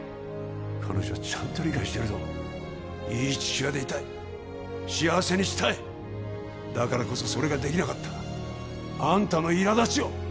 彼女はちゃんと理解してるぞいい父親でいたい幸せにしたいだからこそそれができなかったあんたの苛立ちを！